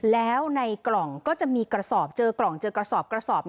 แล้วในกล่องก็จะมีกระสอบเจอกล่องเจอกระสอบกระสอบ